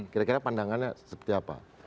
kira kira pandangannya seperti apa